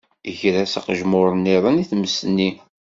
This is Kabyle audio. Ger-as aqejmur-iḍen i tmes-nni.